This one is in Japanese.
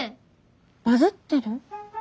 バズってる？